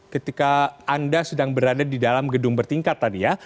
ketika anda sedang berada di dalam gedung bertingkat tadi ya